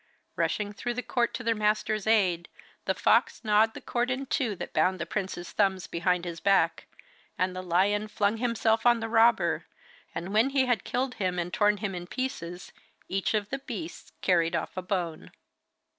Rushing through the court to their master's aid, the fox gnawed the cord in two that bound the prince's thumbs behind his back, and the lion flung himself on the robber, and when he had killed him and torn him in pieces each of the beasts carried off a bone.